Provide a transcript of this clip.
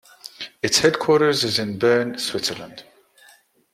Its headquarters is in Bern, Switzerland.